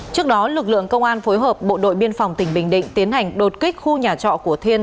trước đó lực lượng công an phối hợp bộ đội biên phòng tỉnh bình định tiến hành đột kích khu nhà trọ của thiên